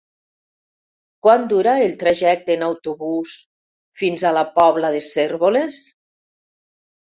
Quant dura el trajecte en autobús fins a la Pobla de Cérvoles?